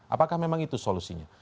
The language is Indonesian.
apakah memang itu solusinya